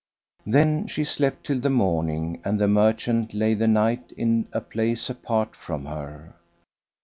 Then she slept till the morning, and the merchant lay the night in a place apart from her.